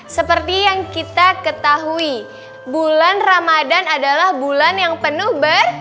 seperti yang kita ketahui bulan ramadan adalah bulan yang penuh ber